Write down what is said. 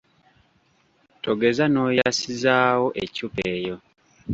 Togeza n’oyasizaawo eccupa eyo.